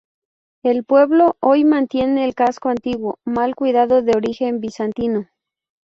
El pueblo hoy mantiene el casco antiguo, mal cuidado, de origen bizantino.